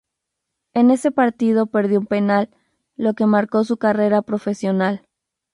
En ese partido perdió un penal, lo que marcó su carrera profesional.